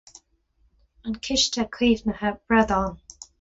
An Ciste Caomhnaithe Bradán.